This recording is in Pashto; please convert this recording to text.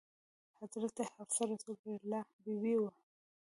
حضرت حفصه د رسول الله بي بي وه.